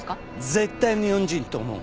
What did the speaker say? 絶対日本人と思う。